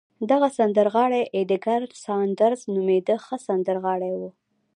دغه سندرغاړی اېدګر ساندرز نومېده، ښه سندرغاړی و.